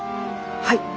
はい！